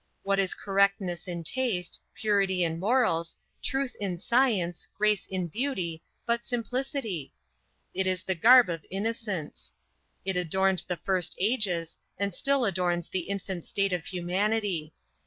What is correctness in taste, purity in morals, truth in science, grace in beauty, but simplicity? It is the garb of innocence. It adorned the first ages, and still adorns the infant state of humanity.